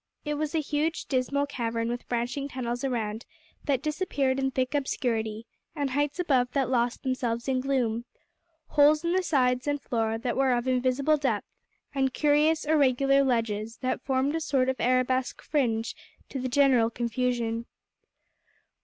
It was a huge dismal cavern with branching tunnels around that disappeared in thick obscurity, and heights above that lost themselves in gloom; holes in the sides and floor that were of invisible depth, and curious irregular ledges, that formed a sort of arabesque fringe to the general confusion.